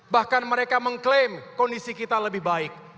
bahkan mereka mengklaim kondisi kita lebih baik